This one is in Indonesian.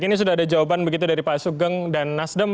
ini sudah ada jawaban begitu dari pak sugeng dan nasdem